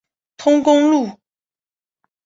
通公路。